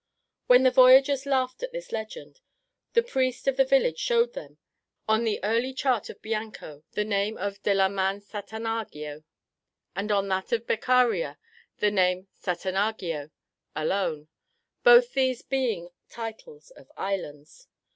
When the voyagers laughed at this legend, the priest of the village showed them, on the early chart of Bianco, the name of "De la Man Satanagio," and on that of Beccaria the name "Satanagio" alone, both these being the titles of islands.